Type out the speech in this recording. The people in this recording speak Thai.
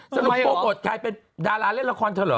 สนุกโปรดเป็นดาราเล่นละครเถอะ